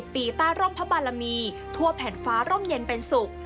ปีใต้ร่มพระบารมีทั่วแผ่นฟ้าร่มเย็นเป็นสุข